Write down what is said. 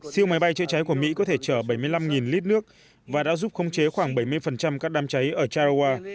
siêu máy bay chữa cháy của mỹ có thể chở bảy mươi năm lít nước và đã giúp khống chế khoảng bảy mươi các đám cháy ở chiroa